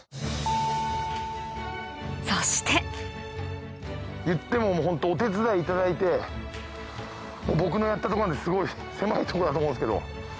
そしていってもホントお手伝いいただいて僕のやったとこなんてすごい狭いとこだと思うんですけど。